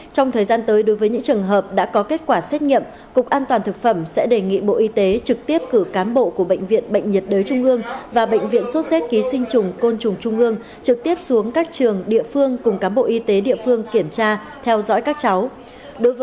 trong thời gian tới đối với những trường hợp đã có kết quả xét nghiệm cục an toàn thực phẩm sẽ đề nghị bộ y tế trực tiếp cử cán bộ của bệnh viện bệnh nhiệt đới trung ương và bệnh viện sốt xét ký sinh trùng côn trùng trung ương trực tiếp xuống các trường địa phương cùng cám bộ y tế địa phương kiểm tra theo dõi các cháu